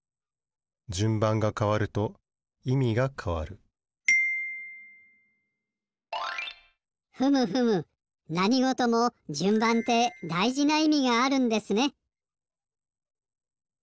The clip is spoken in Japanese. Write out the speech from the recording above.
順番がかわるといみがかわるふむふむなにごとも順番ってだいじないみがあるんですね。